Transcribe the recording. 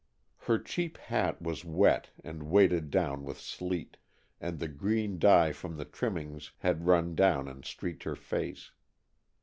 Her cheap hat was wet and weighted down with sleet, and the green dye from the trimmings had run down and streaked her face.